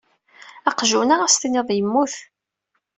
Aqjun-a ad s-tiniḍ yemmut.